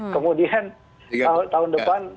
kemudian tahun depan